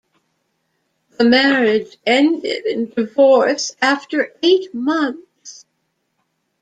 The marriage ended in divorce after eight months.